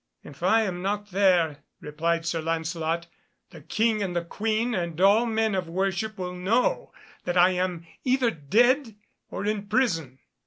"If I am not there," replied Sir Lancelot, "the King and the Queen and all men of worship will know that I am either dead or in prison.